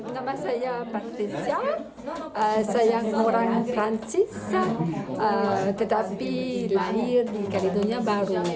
nama saya patricia saya orang fransis tetapi berada di kalidonia baru